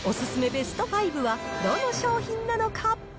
ベスト５は、どの商品なのか。